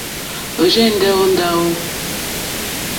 Ɔ̀rzɛ̀ndɛ́ ó ndáwò.